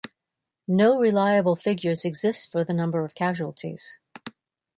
No reliable figures exist for the number of casualties.